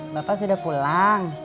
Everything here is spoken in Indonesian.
bapak sudah pulang